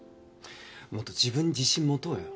もっと自分に自信持とうよ。